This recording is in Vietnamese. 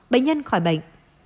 bệnh nhân khỏi bệnh